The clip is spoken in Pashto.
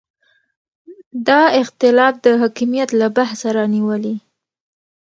دا اختلاف د حکمیت له بحثه رانیولې.